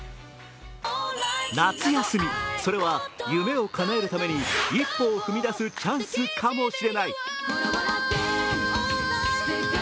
夏休み、それは夢を叶えるために一歩を踏み出すチャンスかもしれない。